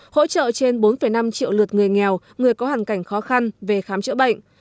hỗ trợ trên bốn năm triệu lượt người nghèo người có hoàn cảnh khó khăn về khám chữa bệnh